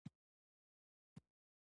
په تت یا پیکه رنګ ښودل شوي دي.